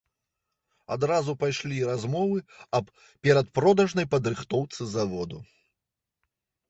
Адразу пайшлі размовы аб перадпродажнай падрыхтоўцы заводу.